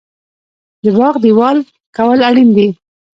د باغ دیوال کول اړین دي؟